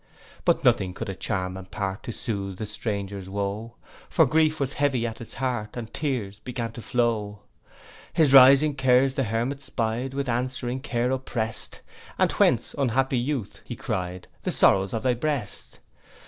But nothing could a charm impart To sooth the stranger's woe; For grief was heavy at his heart, And tears began to flow. His rising cares the hermit spy'd, With answering care opprest: 'And whence, unhappy youth,' he cry'd, 'The sorrows of thy breast?